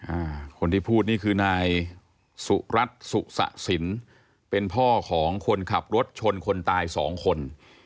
อ่าคนที่พูดนี่คือนายสุรัตน์สุสะสินเป็นพ่อของคนขับรถชนคนตายสองคน